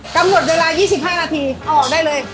กำหนดเวลา๒๕นาทีออกได้เลย